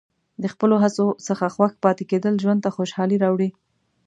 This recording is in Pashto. د خپلو هڅو څخه خوښ پاتې کېدل ژوند ته خوشحالي راوړي.